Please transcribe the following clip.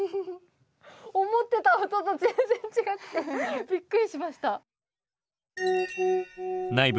思ってた音と全然違くてビックリしました。